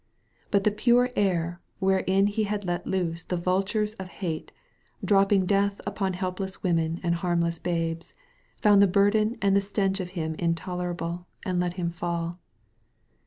But the pure Air, wherein he had let loose the vultures of hate, dropping death upon helpless women and harmless babes, found the burden and the stench of him intolerable, and let him fall.